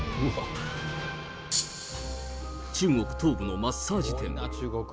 中国東部のマッサージ店。